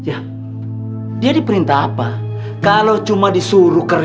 ada banyak hal bisa disusur susurkan